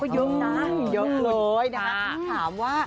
เยอะมากเลยนะครับถามว่า